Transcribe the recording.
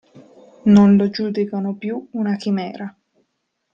Non lo giudicano più una chimera.